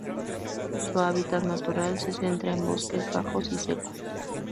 Su hábitat natural se centra en bosques bajos y secos.